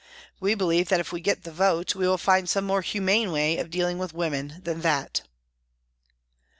We believe that if we get the vote we will find some more humane way of dealing with women than that."